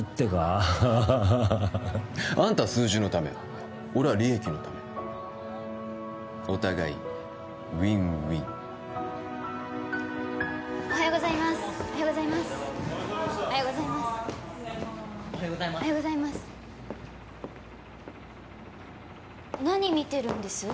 アハハハあんたは数字のため俺は利益のためお互いウィンウィンおはようございますおはようございますおはようございますおはようございますおはようございますおはようございます何見てるんです？